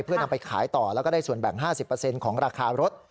เพื่อนำไปขายต่อแล้วก็ได้ส่วนแบ่ง๕๐ของราคารถ